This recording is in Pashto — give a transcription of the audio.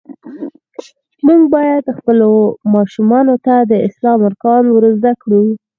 مونږ باید خپلو ماشومانو ته د اسلام ارکان ور زده کړو.